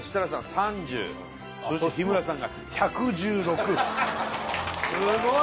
３０そして日村さんが１１６すごい！